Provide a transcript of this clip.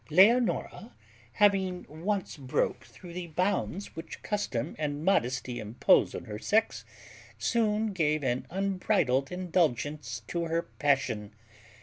_ Leonora, having once broke through the bounds which custom and modesty impose on her sex, soon gave an unbridled indulgence to her passion.